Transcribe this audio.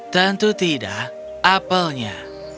tentu tidak apelnya